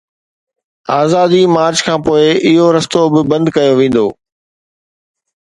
آزادي مارچ کانپوءِ اهو رستو به بند ڪيو ويندو.